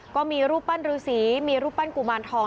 ก็มีรูปปั้นรือสีมีรูปปั้นกุมารทอง